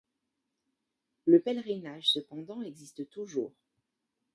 Le pèlerinage cependant existe toujours.